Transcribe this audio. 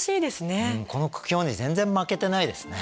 この苦境に全然負けてないですね。